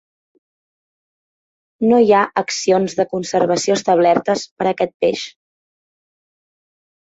No hi ha accions de conservació establertes per a aquest peix.